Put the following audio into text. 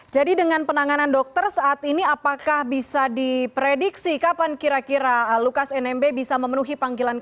dengan penanganan dokter saat ini apakah bisa diprediksi kapan kira kira lukas nmb bisa memenuhi panggilan kpk